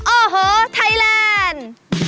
โอ้โหไทยแลนด์